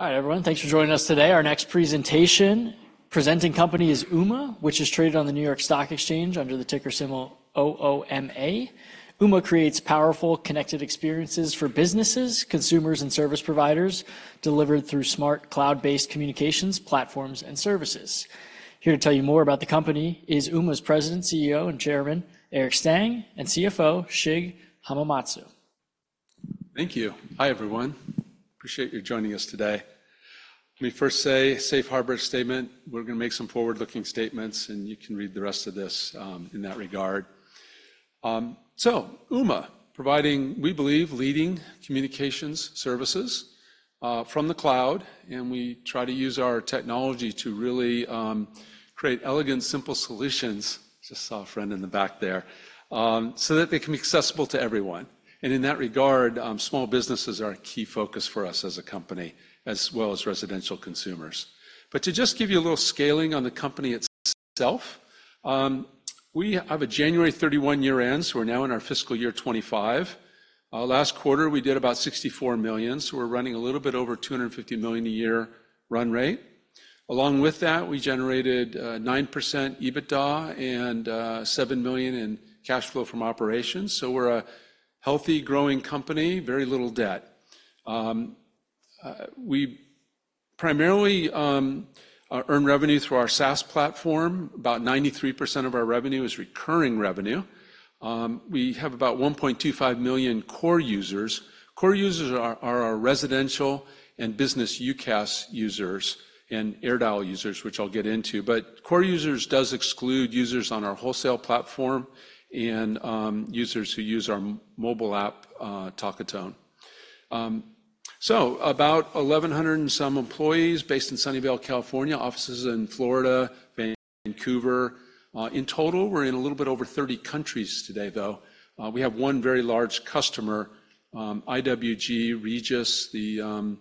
Hi, everyone. Thanks for joining us today. Our next presentation, presenting company is Ooma, which is traded on the New York Stock Exchange under the ticker symbol OOMA. Ooma creates powerful, connected experiences for businesses, consumers, and service providers, delivered through smart, cloud-based communications, platforms, and services. Here to tell you more about the company is Ooma's President, CEO, and Chairman, Eric Stang, and CFO, Shig Hamamatsu. Thank you. Hi, everyone. Appreciate you joining us today. Let me first say, safe harbor statement, we're gonna make some forward-looking statements, and you can read the rest of this in that regard. So Ooma, providing, we believe, leading communications services from the cloud, and we try to use our technology to really create elegant, simple solutions, just saw a friend in the back there, so that they can be accessible to everyone. And in that regard, small businesses are a key focus for us as a company, as well as residential consumers. But to just give you a little scaling on the company itself, we have a January 31 year-end, so we're now in our fiscal year 2025. Last quarter, we did about $64 million, so we're running a little bit over $250 million a year run rate. Along with that, we generated 9% EBITDA and $7 million in cash flow from operations. So we're a healthy, growing company, very little debt. We primarily earn revenue through our SaaS platform. About 93% of our revenue is recurring revenue. We have about 1.25 million core users. Core users are our residential and business UCaaS users and AirDial users, which I'll get into, but core users does exclude users on our wholesale platform and users who use our mobile app, Talkatone. So about 1,100 and some employees based in Sunnyvale, California, offices in Florida, Vancouver. In total, we're in a little bit over 30 countries today, though. We have one very large customer, IWG Regus, the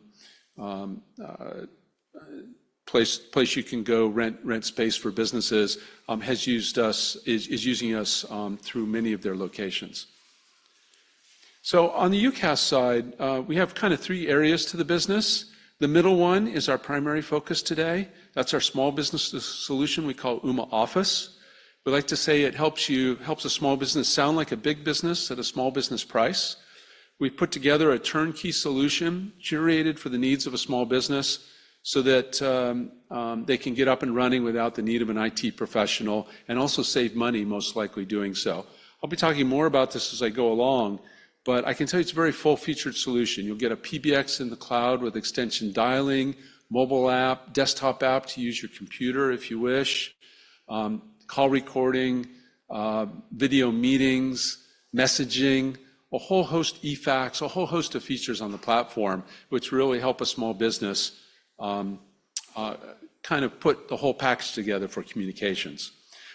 place you can go rent space for businesses, has used us, is using us through many of their locations. On the UCaaS side, we have kind of three areas to the business. The middle one is our primary focus today. That's our small business solution we call Ooma Office. We like to say it helps a small business sound like a big business at a small business price. We've put together a turnkey solution curated for the needs of a small business so that they can get up and running without the need of an IT professional and also save money, most likely, doing so. I'll be talking more about this as I go along, but I can tell you it's a very full-featured solution. You'll get a PBX in the cloud with extension dialing, mobile app, desktop app to use your computer if you wish, call recording, video meetings, messaging, a whole host, eFax, a whole host of features on the platform, which really help a small business, kind of put the whole package together for communications.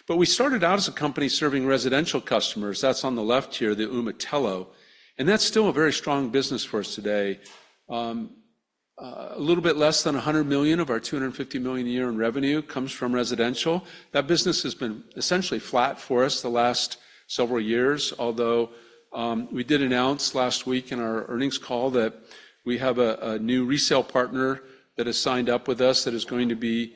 But we started out as a company serving residential customers. That's on the left here, the Ooma Telo, and that's still a very strong business for us today. A little bit less than $100 million of our $250 million a year in revenue comes from residential. That business has been essentially flat for us the last several years, although we did announce last week in our earnings call that we have a new resale partner that has signed up with us that is going to be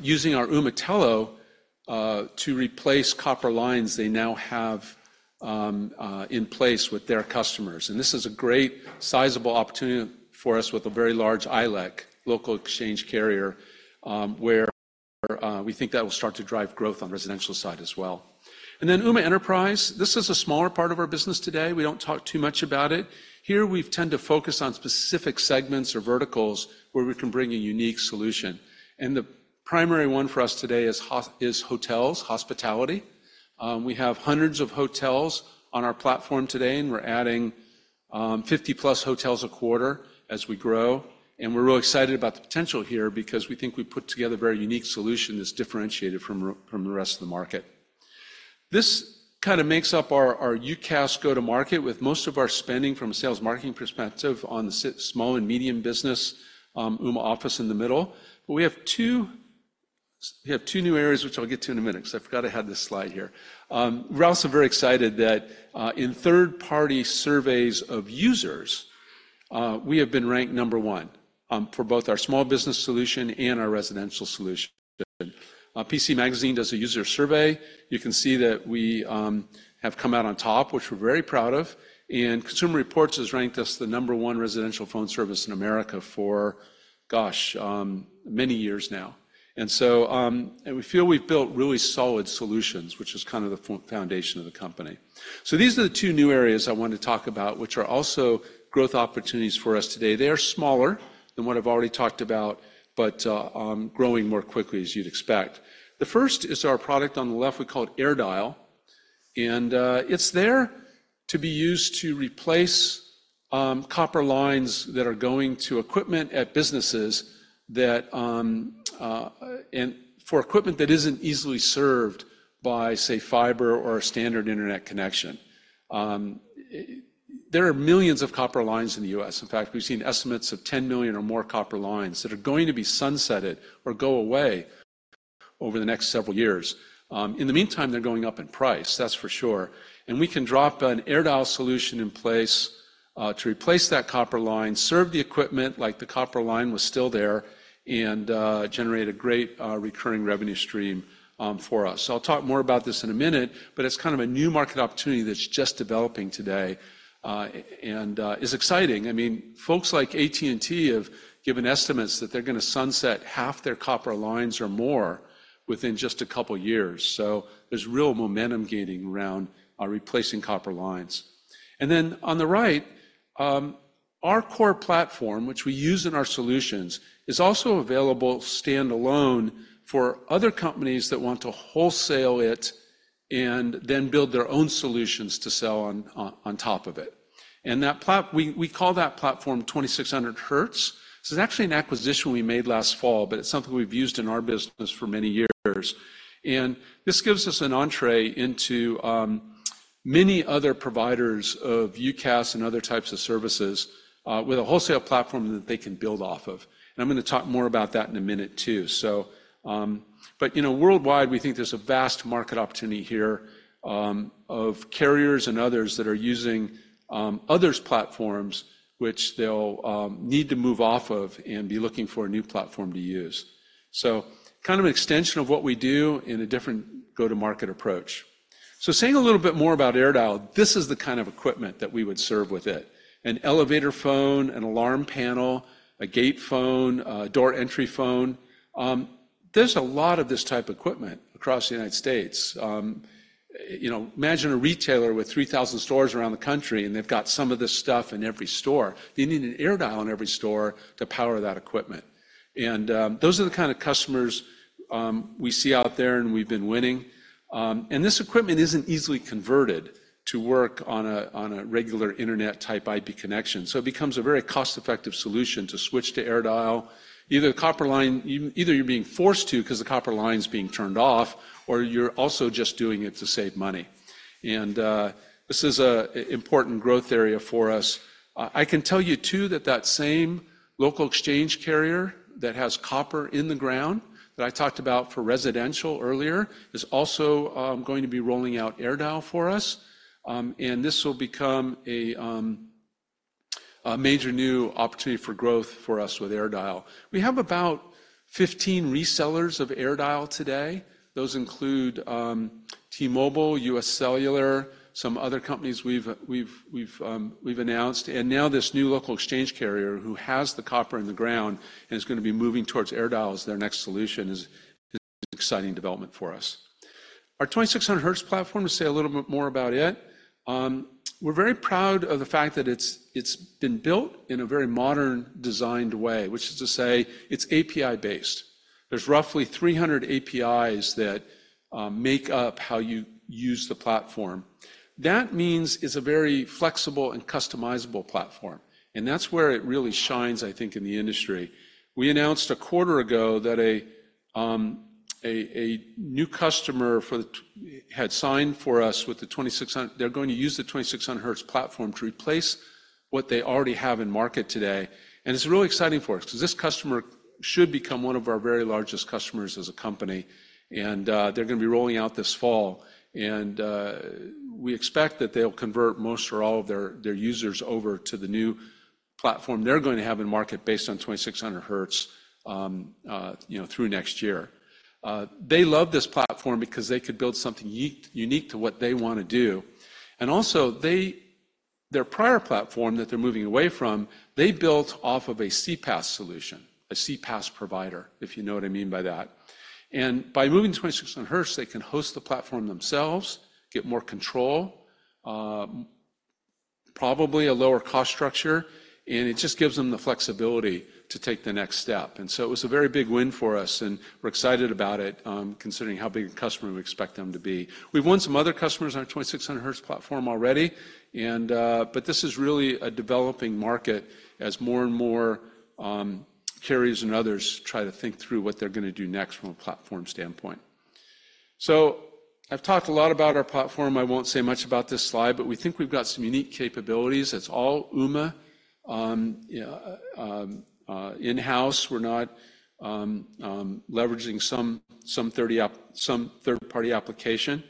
using our Ooma Telo to replace copper lines they now have in place with their customers. This is a great, sizable opportunity for us with a very large ILEC, local exchange carrier, where we think that will start to drive growth on the residential side as well. Ooma Enterprise, this is a smaller part of our business today. We don't talk too much about it. Here, we tend to focus on specific segments or verticals where we can bring a unique solution. The primary one for us today is hotels, hospitality. We have hundreds of hotels on our platform today, and we're adding 50-plus hotels a quarter as we grow, and we're really excited about the potential here because we think we put together a very unique solution that's differentiated from the rest of the market. This kind of makes up our UCaaS go-to-market, with most of our spending from a sales marketing perspective on the small and medium business, Ooma Office in the middle. But we have two new areas, which I'll get to in a minute because I forgot I had this slide here. We're also very excited that in third-party surveys of users, we have been ranked number one for both our small business solution and our residential solution. PC Magazine does a user survey. You can see that we have come out on top, which we're very proud of, and Consumer Reports has ranked us the number one residential phone service in America for, gosh, many years now. And so, and we feel we've built really solid solutions, which is kind of the foundation of the company. So these are the two new areas I wanted to talk about, which are also growth opportunities for us today. They are smaller than what I've already talked about, but, growing more quickly, as you'd expect. The first is our product on the left. We call it AirDial, and, it's there to be used to replace, copper lines that are going to equipment at businesses that, and for equipment that isn't easily served by, say, fiber or a standard internet connection. There are millions of copper lines in the U.S. In fact, we've seen estimates of 10 million or more copper lines that are going to be sunsetted or go away over the next several years. In the meantime, they're going up in price, that's for sure, and we can drop an AirDial solution in place to replace that copper line, serve the equipment like the copper line was still there, and generate a great recurring revenue stream for us. I'll talk more about this in a minute, but it's kind of a new market opportunity that's just developing today, and is exciting. I mean, folks like AT&T have given estimates that they're gonna sunset half their copper lines or more within just a couple of years. So there's real momentum gaining around replacing copper lines. And then on the right, our core platform, which we use in our solutions, is also available standalone for other companies that want to wholesale it and then build their own solutions to sell on top of it. And that platform we call 2600Hz. This is actually an acquisition we made last fall, but it's something we've used in our business for many years. And this gives us an entrée into many other providers of UCaaS and other types of services with a wholesale platform that they can build off of. And I'm gonna talk more about that in a minute, too. So, but, you know, worldwide, we think there's a vast market opportunity here, of carriers and others that are using, others' platforms, which they'll need to move off of and be looking for a new platform to use. So kind of an extension of what we do in a different go-to-market approach. So saying a little bit more about AirDial, this is the kind of equipment that we would serve with it: an elevator phone, an alarm panel, a gate phone, a door entry phone. There's a lot of this type of equipment across the United States. You know, imagine a retailer with three thousand stores around the country, and they've got some of this stuff in every store. They need an AirDial in every store to power that equipment. Those are the kind of customers we see out there, and we've been winning. This equipment isn't easily converted to work on a regular internet-type IP connection, so it becomes a very cost-effective solution to switch to AirDial. Either the copper line, you're being forced to because the copper line's being turned off, or you're also just doing it to save money. This is an important growth area for us. I can tell you, too, that same local exchange carrier that has copper in the ground that I talked about for residential earlier is also going to be rolling out AirDial for us, and this will become a major new opportunity for growth for us with AirDial. We have about 15 resellers of AirDial today. Those include T-Mobile, US Cellular, some other companies we've announced, and now this new local exchange carrier who has the copper in the ground and is gonna be moving towards AirDial as their next solution is an exciting development for us. Our 2600Hz platform, to say a little bit more about it, we're very proud of the fact that it's been built in a very modern, designed way, which is to say it's API-based. There's roughly 300 APIs that make up how you use the platform. That means it's a very flexible and customizable platform, and that's where it really shines, I think, in the industry. We announced a quarter ago that a new customer for the... had signed for us with the 2600Hz. They're going to use the 2600Hz platform to replace what they already have in market today. It's really exciting for us because this customer should become one of our very largest customers as a company, and they're gonna be rolling out this fall. We expect that they'll convert most or all of their users over to the new platform they're going to have in market based on 2600Hz, you know, through next year. They love this platform because they could build something unique to what they wanna do. Also, their prior platform that they're moving away from, they built off of a CPaaS solution, a CPaaS provider, if you know what I mean by that. By moving to 2600Hz, they can host the platform themselves, get more control, probably a lower cost structure, and it just gives them the flexibility to take the next step. So it was a very big win for us, and we're excited about it, considering how big a customer we expect them to be. We've won some other customers on our 2600Hz platform already, and but this is really a developing market as more and more carriers and others try to think through what they're gonna do next from a platform standpoint. I've talked a lot about our platform. I won't say much about this slide, but we think we've got some unique capabilities. It's all Ooma in-house. We're not leveraging some third-party application.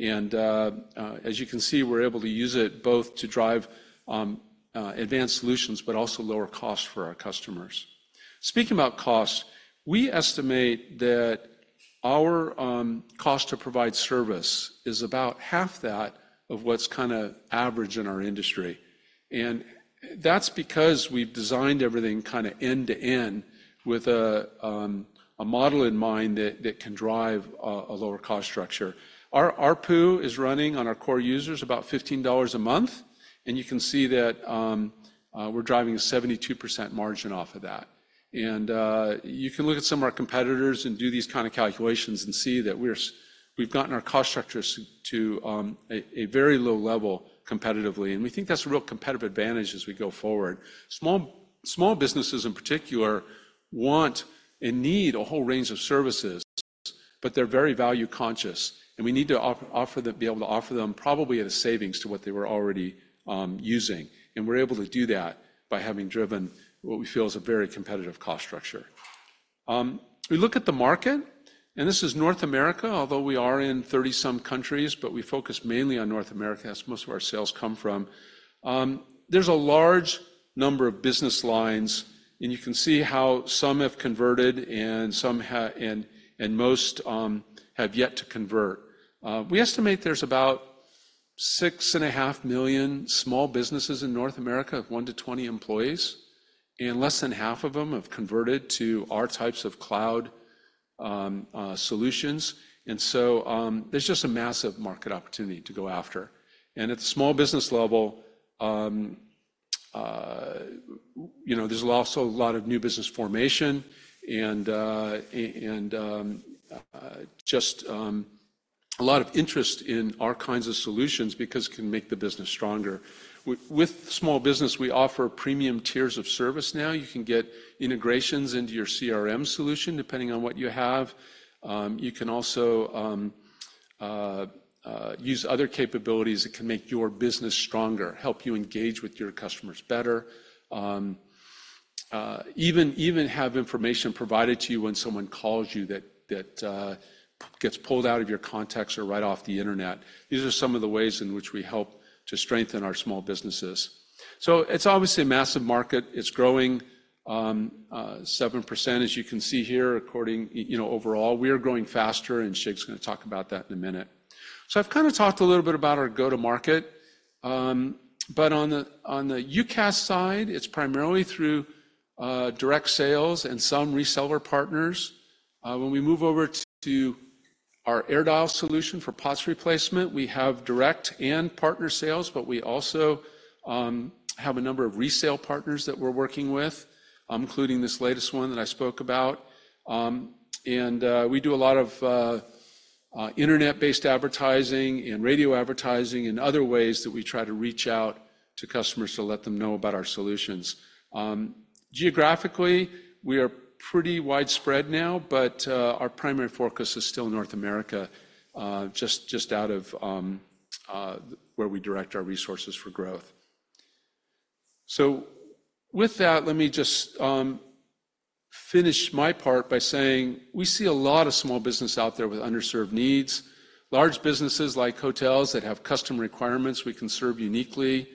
As you can see, we're able to use it both to drive advanced solutions, but also lower costs for our customers. Speaking about cost, we estimate that our cost to provide service is about half that of what's kind of average in our industry. That's because we've designed everything kind of end-to-end with a model in mind that can drive a lower cost structure. Our ARPU is running on our core users about $15 a month, and you can see that we're driving a 72% margin off of that. You can look at some of our competitors and do these kind of calculations and see that we've gotten our cost structures to a very low level competitively, and we think that's a real competitive advantage as we go forward. Small businesses, in particular, want and need a whole range of services, but they're very value-conscious, and we need to offer them, be able to offer them probably at a savings to what they were already using. We're able to do that by having driven what we feel is a very competitive cost structure. We look at the market, and this is North America, although we are in thirty-some countries, but we focus mainly on North America, as most of our sales come from. There's a large number of business lines, and you can see how some have converted and some, and most, have yet to convert. We estimate there's about 6.5 million small businesses in North America of 1 to 20 employees, and less than half of them have converted to our types of cloud solutions. So, there's just a massive market opportunity to go after. At the small business level, you know, there's also a lot of new business formation and just a lot of interest in our kinds of solutions because it can make the business stronger. With small business, we offer premium tiers of service now. You can get integrations into your CRM solution, depending on what you have. You can also use other capabilities that can make your business stronger, help you engage with your customers better, even have information provided to you when someone calls you that gets pulled out of your contacts or right off the internet. These are some of the ways in which we help to strengthen our small businesses. So it's obviously a massive market. It's growing 7%, as you can see here, according... you know, overall, we are growing faster, and Shig's gonna talk about that in a minute. So I've kind of talked a little bit about our go-to-market, but on the UCaaS side, it's primarily through direct sales and some reseller partners. When we move over to our AirDial solution for POTS replacement, we have direct and partner sales, but we also have a number of resale partners that we're working with, including this latest one that I spoke about. And we do a lot of internet-based advertising and radio advertising and other ways that we try to reach out to customers to let them know about our solutions. Geographically, we are pretty widespread now, but our primary focus is still North America, just out of where we direct our resources for growth. So with that, let me just finish my part by saying we see a lot of small business out there with underserved needs. Large businesses like hotels that have custom requirements we can serve uniquely,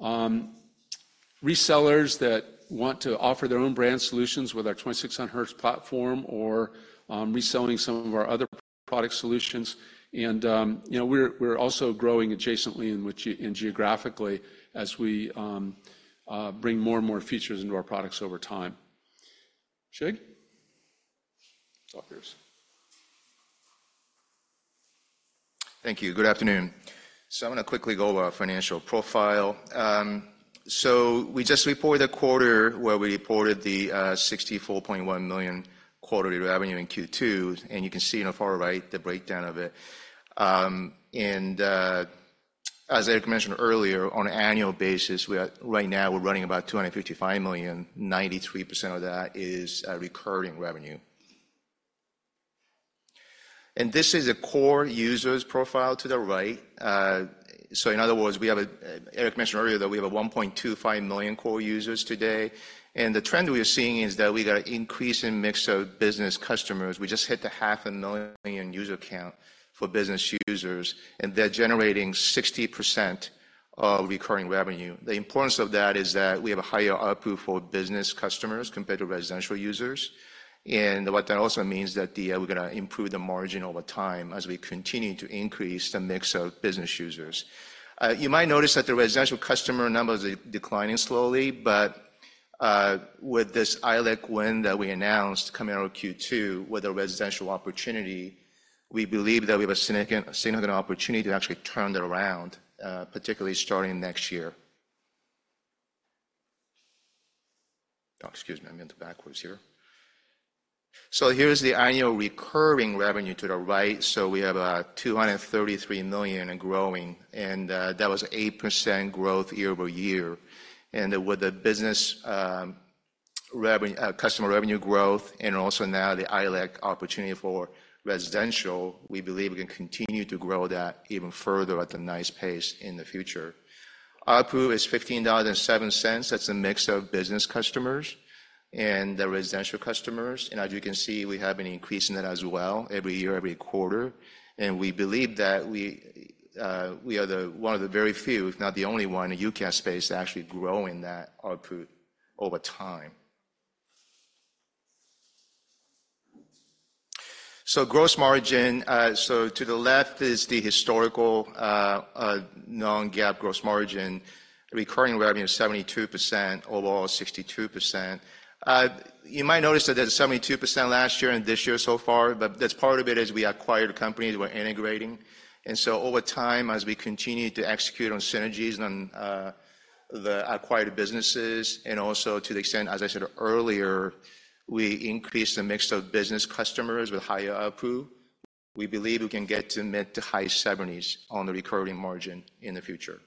resellers that want to offer their own brand solutions with our 2600Hz platform or reselling some of our other product solutions, and you know, we're also growing adjacently in which, and geographically as we bring more and more features into our products over time. Shig? It's all yours. Thank you. Good afternoon. I'm gonna quickly go over our financial profile. We just reported a quarter where we reported the $64.1 million quarterly revenue in Q2, and you can see on the far right, the breakdown of it, and as Eric mentioned earlier, on an annual basis, right now, we're running about $255 million. 93% of that is recurring revenue, and this is a core users profile to the right. In other words, Eric mentioned earlier that we have 1.25 million core users today, and the trend we are seeing is that we got an increasing mix of business customers. We just hit the 500,000 user count for business users, and they're generating 60% of recurring revenue. The importance of that is that we have a higher ARPU for business customers compared to residential users. And what that also means that the, we're gonna improve the margin over time as we continue to increase the mix of business users. You might notice that the residential customer numbers are declining slowly, but with this ILEC win that we announced coming out Q2, with a residential opportunity, we believe that we have a significant opportunity to actually turn that around, particularly starting next year. Oh, excuse me, I meant backwards here. So here's the annual recurring revenue to the right. So we have $233 million and growing, and that was 8% growth year-over-year. And with the business, revenue, customer revenue growth and also now the ILEC opportunity for residential, we believe we can continue to grow that even further at a nice pace in the future. ARPU is $15.07. That's a mix of business customers and the residential customers, and as you can see, we have an increase in that as well every year, every quarter. And we believe that we, we are the, one of the very few, if not the only one, in the UCaaS space to actually grow in that ARPU over time. So gross margin, so to the left is the historical, non-GAAP gross margin. Recurring revenue is 72%, overall, 62%. You might notice that there's 72% last year and this year so far, but that's part of it is we acquired companies we're integrating. And so over time, as we continue to execute on synergies on the acquired businesses, and also to the extent, as I said earlier, we increase the mix of business customers with higher ARPU, we believe we can get to mid- to high-70s on the recurring margin in the future.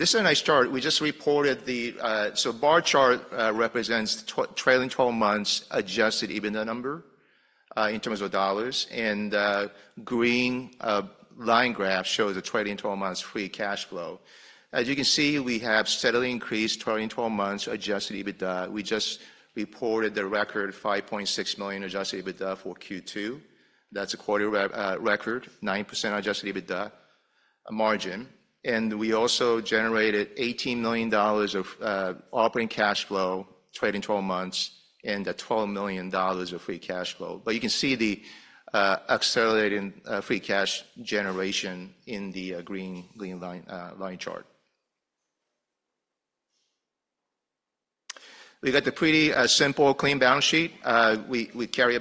This is a nice chart. We just reported the. So bar chart represents trailing twelve months adjusted EBITDA number in terms of dollars, and green line graph shows the trailing twelve months free cash flow. As you can see, we have steadily increased trailing twelve months adjusted EBITDA. We just reported the record $5.6 million adjusted EBITDA for Q2. That's a quarter record, 9% adjusted EBITDA margin. We also generated $18 million of operating cash flow, trailing twelve months, and $12 million of free cash flow. You can see the accelerating free cash generation in the green line chart. We've got a pretty simple clean balance sheet. We carry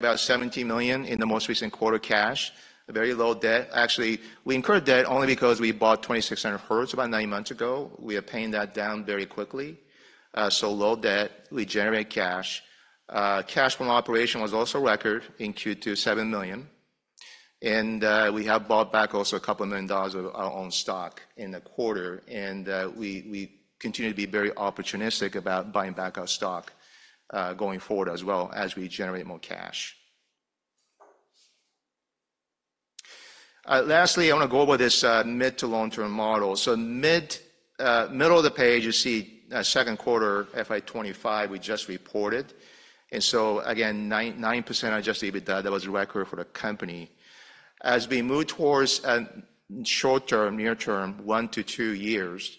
about $17 million in the most recent quarter cash, a very low debt. Actually, we incurred debt only because we bought 2600Hz about nine months ago. We are paying that down very quickly. So low debt, we generate cash. Cash from operation was also a record in Q2, $7 million, and we have bought back also a couple of million dollars of our own stock in the quarter. And we continue to be very opportunistic about buying back our stock, going forward as well as we generate more cash. Lastly, I wanna go over this mid to long-term model. So, middle of the page, you see, Q2, FY 2025, we just reported. And so again, 9% adjusted EBITDA, that was a record for the company. As we move towards a short-term, near-term, 1 to 2 years,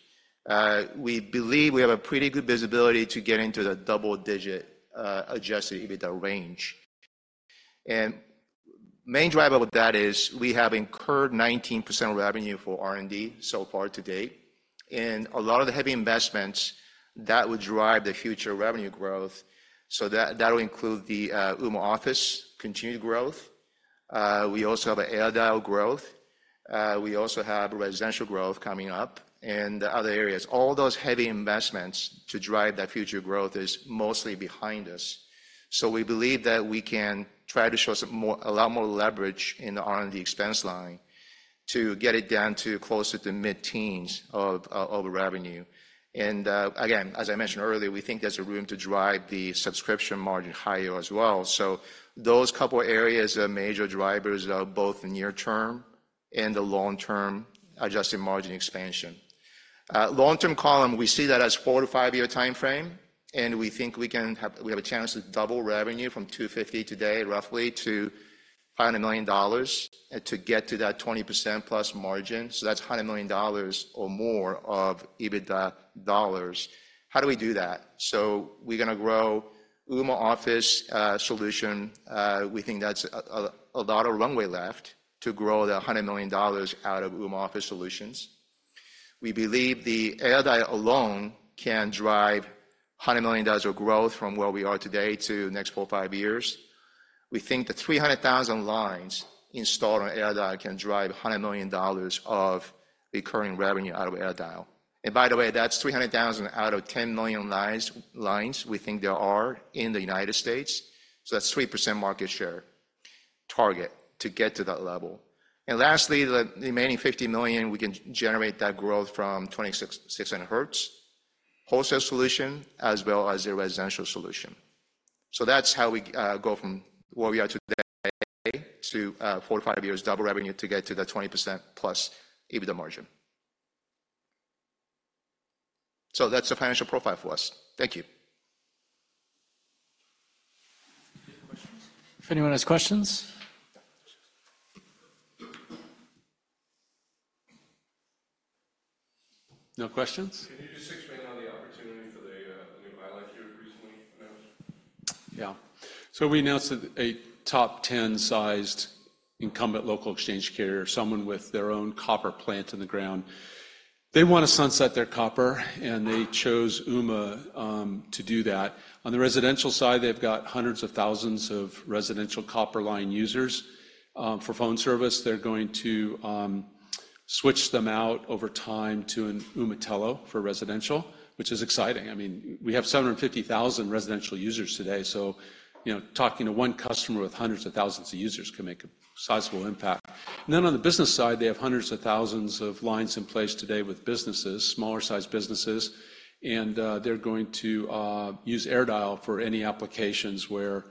we believe we have a pretty good visibility to get into the double-digit adjusted EBITDA range. And main driver with that is we have incurred 19% revenue for R&D so far to date, and a lot of the heavy investments that will drive the future revenue growth, so that will include the Ooma Office continued growth. We also have AirDial growth. We also have residential growth coming up and other areas. All those heavy investments to drive that future growth is mostly behind us. So we believe that we can try to show some more, a lot more leverage in the R&D expense line to get it down to closer to mid-teens of revenue. And again, as I mentioned earlier, we think there's a room to drive the subscription margin higher as well. So those couple areas are major drivers of both the near term and the long-term adjusted margin expansion. Long-term column, we see that as four- to five-year timeframe, and we think we have a chance to double revenue from $250 million today, roughly, to $100 million, to get to that 20% plus margin. So that's $100 million or more of EBITDA dollars. How do we do that? So we're gonna grow Ooma Office solution. We think that's a lot of runway left to grow the $100 million out of Ooma Office Solutions. We believe the AirDial alone can drive a $100 million of growth from where we are today to the next four, five years. We think the 300,000 lines installed on AirDial can drive a $100 million of recurring revenue out of AirDial. And by the way, that's 300,000 out of 10 million lines we think there are in the United States. So that's 3% market share target to get to that level. And lastly, the remaining $50 million, we can generate that growth from 2600Hz wholesale solution, as well as the residential solution. So that's how we go from where we are today to four to five years double revenue to get to the 20% plus EBITDA margin. So that's the financial profile for us. Thank you. Any questions? If anyone has questions... No questions? Can you just explain on the opportunity for the new highlight you recently announced? Yeah. So we announced that a top ten-sized incumbent local exchange carrier, someone with their own copper plant in the ground, they wanna sunset their copper, and they chose Ooma to do that. On the residential side, they've got hundreds of thousands of residential copper line users. For phone service, they're going to switch them out over time to an Ooma Telo for residential, which is exciting. I mean, we have seven hundred and fifty thousand residential users today, so, you know, talking to one customer with hundreds of thousands of users can make a sizable impact. And then on the business side, they have hundreds of thousands of lines in place today with businesses, smaller-sized businesses, and they're going to use AirDial for any applications where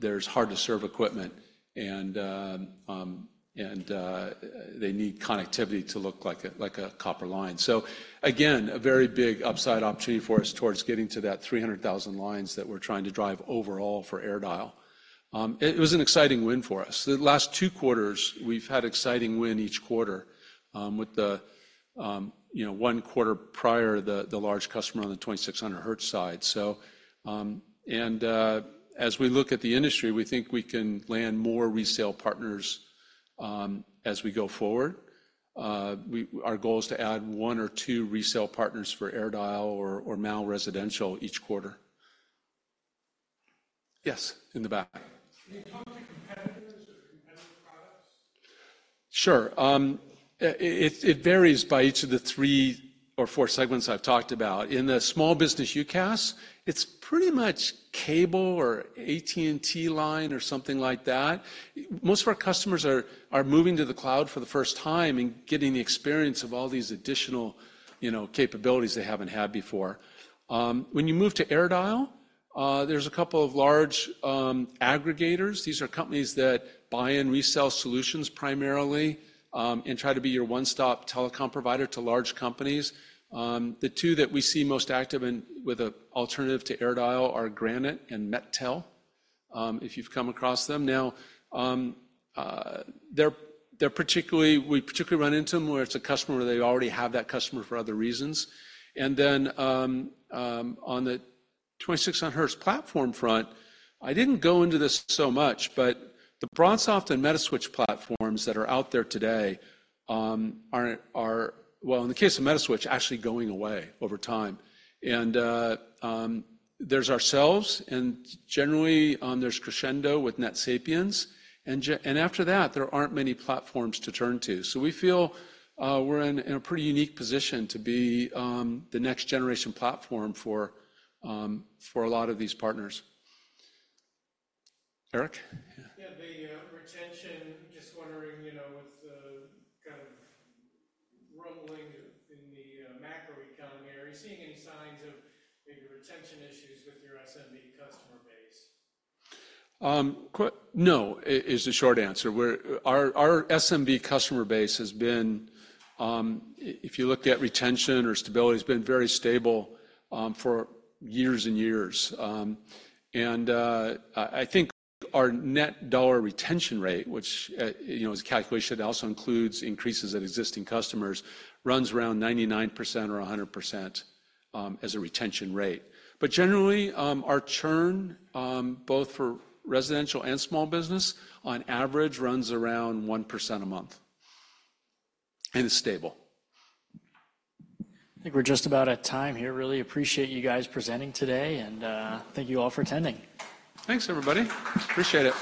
there's hard-to-serve equipment, and they need connectivity to look like a, like a copper line. So again, a very big upside opportunity for us towards getting to that three hundred thousand lines that we're trying to drive overall for AirDial. It was an exciting win for us. The last two quarters, we've had exciting win each quarter, with the you know one quarter prior, the large customer on the 2600Hz side. So, and as we look at the industry, we think we can land more resale partners, as we go forward. Our goal is to add one or two reseller partners for AirDial or Ooma residential each quarter. Yes, in the back. Can you talk to competitors or competitive products? Sure. It varies by each of the three or four segments I've talked about. In the small business UCaaS, it's pretty much cable or AT&T line or something like that. Most of our customers are moving to the cloud for the first time and getting the experience of all these additional, you know, capabilities they haven't had before. When you move to AirDial, there's a couple of large aggregators. These are companies that buy and resell solutions primarily and try to be your one-stop telecom provider to large companies. The two that we see most active and with an alternative to AirDial are Granite and MetTel, if you've come across them. Now, we particularly run into them where it's a customer, where they already have that customer for other reasons. And then, on the 2600Hz platform front, I didn't go into this so much, but the BroadSoft and Metaswitch platforms that are out there today, aren't, are. Well, in the case of Metaswitch, actually going away over time. And, there's ourselves, and generally, there's Crexendo with NetSapiens. And after that, there aren't many platforms to turn to. So we feel, we're in a pretty unique position to be, the next generation platform for a lot of these partners. Eric? Yeah. Yeah, the retention, just wondering, you know, with the kind of rumbling in the macroeconomy, are you seeing any signs of maybe retention issues with your SMB customer base? Is the short answer. Our SMB customer base has been, if you looked at retention or stability, it's been very stable, for years and years. And I think our net dollar retention rate, which, you know, is a calculation that also includes increases at existing customers, runs around 99% or 100%, as a retention rate. But generally, our churn, both for residential and small business, on average, runs around 1% a month, and it's stable. I think we're just about at time here. Really appreciate you guys presenting today, and thank you all for attending. Thanks, everybody. Appreciate it.